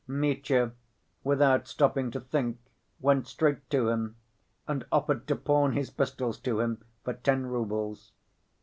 Mitya, without stopping to think, went straight to him, and offered to pawn his pistols to him for ten roubles.